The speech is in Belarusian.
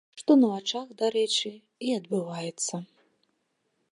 Што на вачах, дарэчы, і адбываецца.